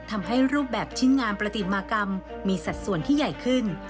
ทำให้รูปแบบชิ้นงานประติมากรรมมีสัดส่วนที่ใหญ่ขึ้น